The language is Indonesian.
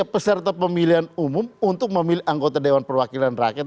peserta pemilihan umum untuk memilih anggota dewan perwakilan rakyat